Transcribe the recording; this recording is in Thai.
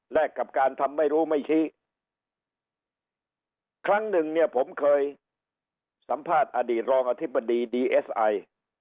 กับการทำไม่รู้ไม่ชี้ครั้งหนึ่งเนี่ยผมเคยสัมภาษณ์อดีตรองอธิบดีดีเอสไอ